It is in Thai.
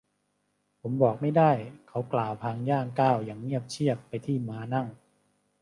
ผมบอกไม่ได้ เขากล่าวพลางย่างก้าวอย่างเงียบเชียบไปที่ม้านั่ง